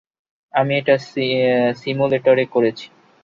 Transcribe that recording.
আমি এটা সিমুলেটরে করেছি।